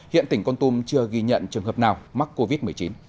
hiện tỉnh con tum chưa ghi nhận trường hợp nào mắc covid một mươi chín